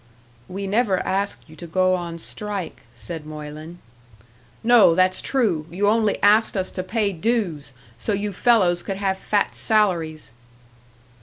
"We never asked you to go on strike," said Moylan. "No, that's true. You only asked us to pay dues, so you fellows could have fat salaries."